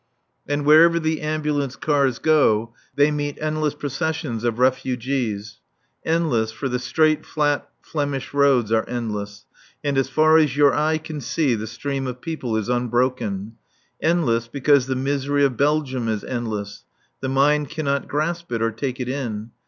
And wherever the ambulance cars go they meet endless processions of refugees; endless, for the straight, flat Flemish roads are endless, and as far as your eye can see the stream of people is unbroken; endless, because the misery of Belgium is endless; the mind cannot grasp it or take it in.